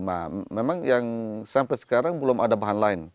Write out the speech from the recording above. nah memang yang sampai sekarang belum ada bahan lain